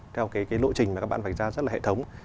theo cái lộ trình mà các bạn phải ra rất là hệ thống